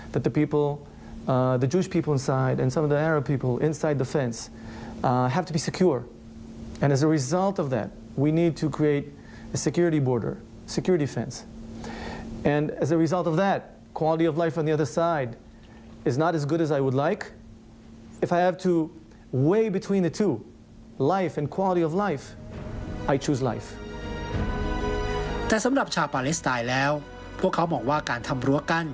แต่สำหรับชาวปาเลสไตล์แล้วพวกเขาบอกว่าการทำรั้วกั้น